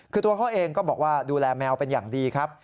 คือตัวเขาเองก็บอกว่าดูแลแมวเป็นอย่างดีครับ